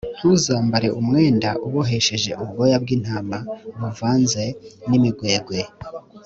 ntuzambare umwenda ubohesheje ubwoya bw’intama buvanze n’imigwegwe.